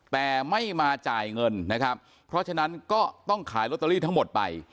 แต่ไม่มาจ่ายเงินนะครับเพราะฉะนั้นก็ต้องขายลอตเตอรี่ทั้งหมดไป